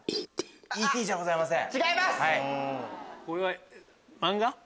『Ｅ．Ｔ．』じゃございません。